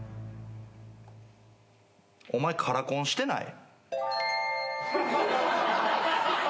お前カラコンしてない？